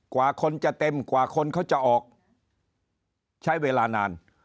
กว่าคนจะเต็มกว่าคนเขาจะออกใช้เวลานาน